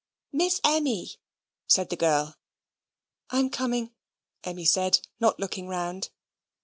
"Miss Emmy," said the girl. "I'm coming," Emmy said, not looking round.